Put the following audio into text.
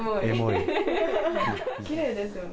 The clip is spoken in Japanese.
きれいですよね。